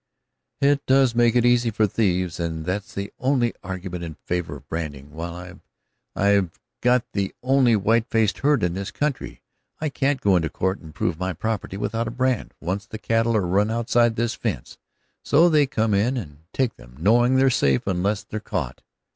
"It does make it easy for thieves, and that's the only argument in favor of branding. While we've I've got the only white faced herd in this country, I can't go into court and prove my property without a brand, once the cattle are run outside of this fence. So they come in and take them, knowing they're safe unless they're caught."